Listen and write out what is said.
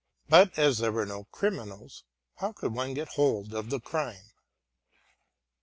But as there were no criminals, how could one get hold of the crime?